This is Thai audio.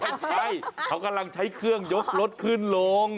ไม่ใช่เขากำลังใช้เครื่องยกรถขึ้นลง